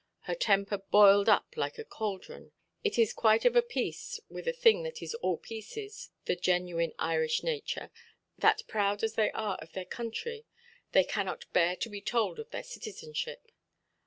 Her temper boiled up like a cauldron. It is quite of a piece with a thing that is all pieces—the genuine Irish nature—that, proud as they are of their country, they cannot bear to be told of their citizenship.